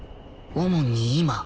主に今